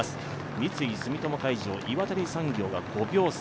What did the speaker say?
三井住友海上、岩谷産業が５秒差。